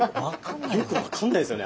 よく分かんないですよね